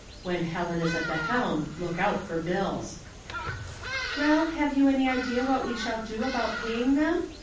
When Helen is at the helm look out lor bills." *' Weil, have you any idea what we shall do about paying them